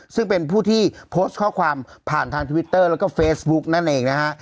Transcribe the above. ซึ่งเป็นผู้ที่โพสต์ข้อความผ่านทางทวิตเตอร์แล้วก็เฟซบุ๊กนั่นเองนะฮะ